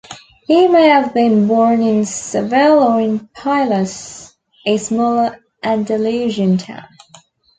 He may have been born in Seville or in Pilas, a smaller Andalusian town.